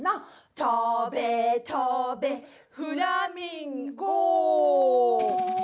「とべとべ」「フラミンゴ」